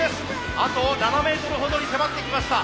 あと７メートルほどに迫ってきました。